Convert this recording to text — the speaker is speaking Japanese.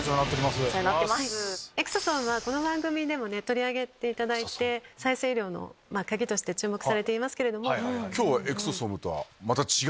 エクソソームはこの番組でも取り上げていただいて再生医療の鍵として注目されていますけれども。